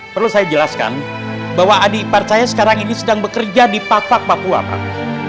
perlu saya jelaskan bahwa adik ipar saya sekarang ini sedang bekerja di pak pak papua pak